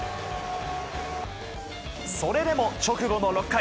それでも直後の６回。